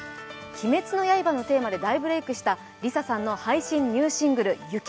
「鬼滅の刃」のテーマで大ブレイクしたＬｉＳＡさんの配信ニューシングル「往け」。